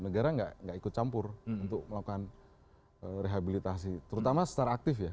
negara tidak ikut campur untuk melakukan rehabilitasi terutama secara aktif ya